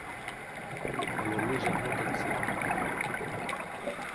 Elle est légèrement toxique.